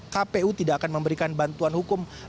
kpu tidak akan memberikan bantuan hukum